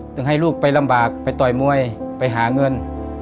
ให้ลูกไปลำบากไปต่อยมวยไปหาเงิน